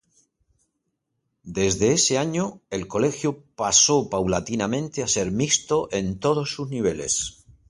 Desde ese año el colegio pasó paulatinamente a ser mixto en todos sus niveles.